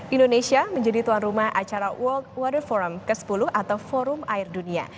indonesia menjadi tuan rumah acara world water forum ke sepuluh atau forum air dunia